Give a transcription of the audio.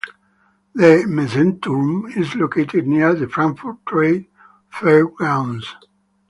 The Messeturm is located near the Frankfurt Trade Fair grounds.